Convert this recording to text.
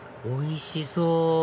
おいしそう！